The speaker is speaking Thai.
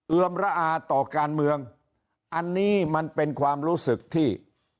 เอือมระอาต่อการเมืองอันนี้มันเป็นความรู้สึกที่